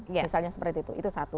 misalnya seperti itu itu satu